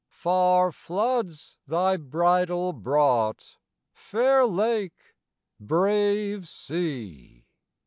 Far floods thy bridal brought, fair lake, brave sea!